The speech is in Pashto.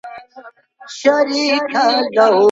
خوب په ولاړه نه کېږي.